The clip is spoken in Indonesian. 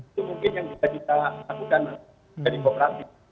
itu mungkin yang kita bisa lakukan dari kooperasi